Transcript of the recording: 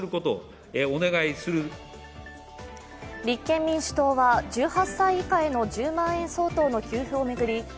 立憲民主党は、１８歳以下への１０万円相当の給付を巡り